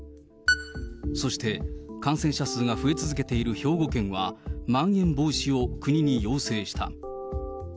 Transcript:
そして感染者数が増え続けている兵庫県は、まん延防止を国に要請した。